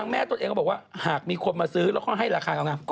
มันจะไปขุดยังไงขุดไปแล้ว